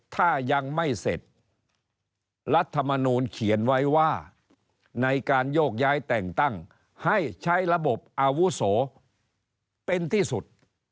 ถ้ายังไม่เสร็จรัฐมนูลเขียนไว้ว่าในการโยกย้ายแต่งตั้งให้ใช้ระบบอาวุโสเป็นที่สุด